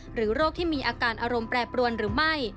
โรคที่มีอาการอารมณ์แปรปรวนหรือไม่